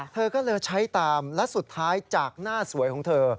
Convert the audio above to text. เธอก็เลยใช้ตามและสุดท้ายจากหน้าสวยของเธอ